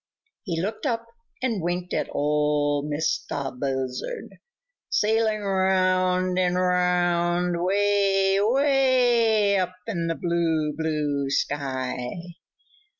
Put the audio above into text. He looked up and winked at Ol' Mistah Buzzard, sailing round and round way, way up in the blue, blue sky.